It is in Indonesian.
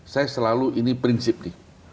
saya selalu ini prinsip nih